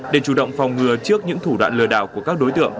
để chủ động phòng ngừa trước những thủ đoạn lừa đảo của các đối tượng